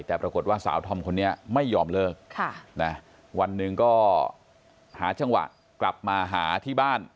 แต่ปรากฏว่าสาวธอมคนนี้ไม่ยอมเลิกวันหนึ่งก็หาจังหวะกลับมาหาที่บ้าน